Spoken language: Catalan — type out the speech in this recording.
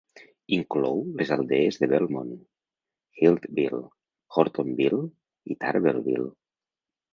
Inclou les aldees de Belmont, Healdville, Hortonville i Tarbellville.